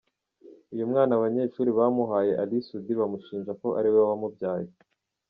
Uyu mwana abanyeshuri bamuhaye Ally Soudi bamushinja ko ari we wamubyaye.